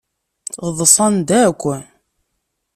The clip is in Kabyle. Ḍsan-d akk.